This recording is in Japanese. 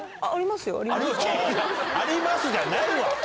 「あります」じゃないわ！